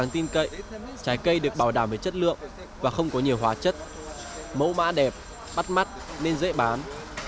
trái cây được bảo đảm với chất lượng và không có nhiều hóa chất mẫu mã đẹp bắt mắt nên dễ bán